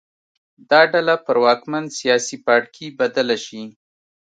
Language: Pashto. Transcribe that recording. دا ډله پر واکمن سیاسي پاړکي بدله شي